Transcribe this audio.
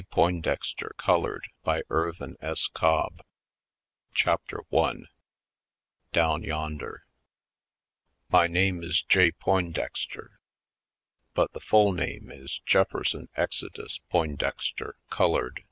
Poindexter, Colored /. Poindexter^ Colored CHAPTER I Down Yonaer MY name is J. Poindexter. But the full name is Jefferson Exodus Poindexter, Colored.